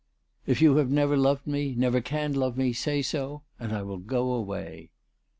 " If you have never loved me, never can love me, say so, and I will go away."